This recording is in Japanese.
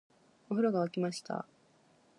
お風呂が湧きました